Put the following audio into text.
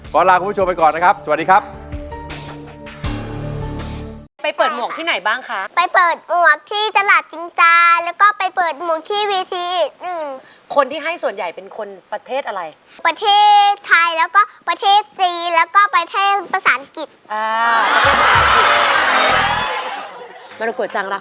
ลาคุณผู้ชมไปก่อนนะครับสวัสดีครับ